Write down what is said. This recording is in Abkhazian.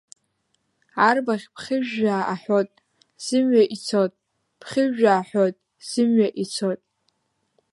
Арбаӷь ԥхьыжәжә аҳәот, зымҩа ицот, ԥхьыжәжә аҳәот, зымҩа ицот.